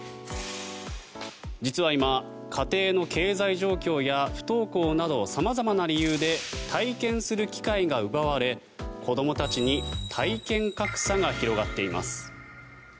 実は今、家庭の経済状況や不登校など様々な理由で体験する機会が奪われ子どもたちに体験格差が広がっています。